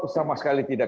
sama sekali tidak